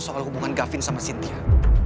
soal hubungan gavin sama cynthia